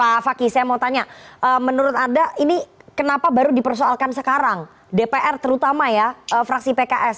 pak fakih saya mau tanya menurut anda ini kenapa baru dipersoalkan sekarang dpr terutama ya fraksi pks